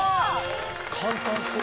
簡単そう。